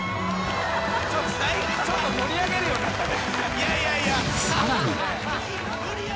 ちょっと盛り上げるようになったね。